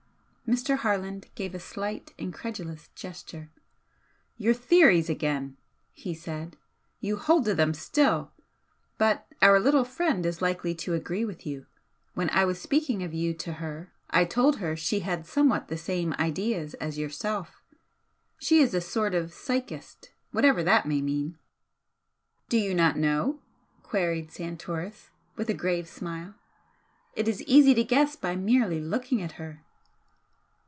Mr. Harland gave a slight, incredulous gesture. "Your theories again," he said "You hold to them still! But our little friend is likely to agree with you, when I was speaking of you to her I told her she had somewhat the same ideas as yourself. She is a sort of a 'psychist' whatever that may mean!" "Do you not know?" queried Santoris, with a grave smile "It is easy to guess by merely looking at her!"